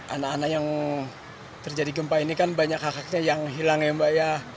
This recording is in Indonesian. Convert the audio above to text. anak anak yang terjadi gempa ini kan banyak hak haknya yang hilang ya mbak ya